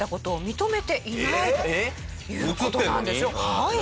はい。